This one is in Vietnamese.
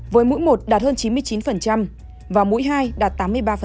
với mũi một đạt hơn chín mươi chín và mũi hai đạt tám mươi ba